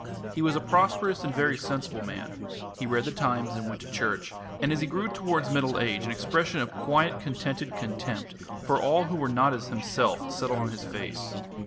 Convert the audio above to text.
He was a prosperous and very sensible man; he read the Times and went to church, and as he grew towards middle age an expression of quiet contented contempt for all who were not as himself settled on his face.